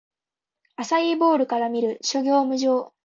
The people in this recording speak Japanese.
アサイーボウルから見る！諸行無常